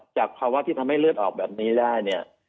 จากภาวะที่ทำให้เลือดออกแบบนี้ได้เนี่ย